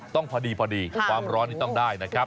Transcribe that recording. ต้องพอดีพอดีความร้อนนี่ต้องได้นะครับ